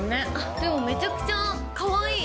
でもめちゃくちゃかわいい。